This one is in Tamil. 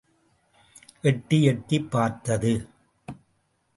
எட்டி எட்டிப் பார்த்தது.